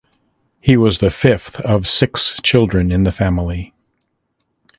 He was the fifth of six children in the family.